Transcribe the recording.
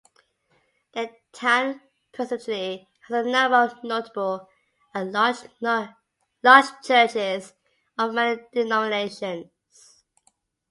The town presently has a number of notable and large churches of many denominations.